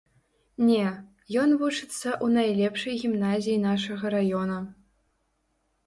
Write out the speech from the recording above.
Не, ён вучыцца ў найлепшай гімназіі нашага раёна.